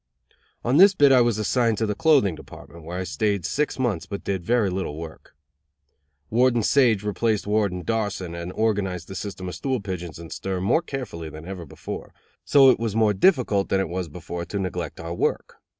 On this bit I was assigned to the clothing department, where I stayed six months, but did very little work. Warden Sage replaced Warden Darson and organized the system of stool pigeons in stir more carefully than ever before; so it was more difficult than it was before to neglect our work.